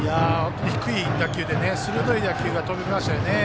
低い打球で鋭い打球が飛びましたよね。